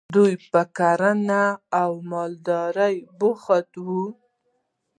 دوی په کرنه او مالدارۍ بوخت وو.